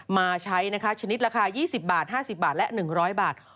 มาใช้นะคะชนิดราคา๒๐บาท๕๐บาทและ๑๐๐บาท